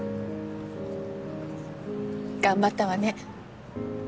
頑張ったわね。